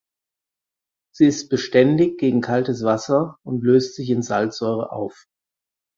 Sie ist beständig gegen kaltes Wasser und löst sich in Salzsäure auf.